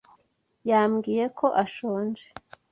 Yambwiye ko ashonje.